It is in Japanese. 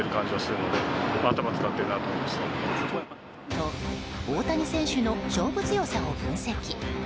と、大谷選手の勝負強さを分析。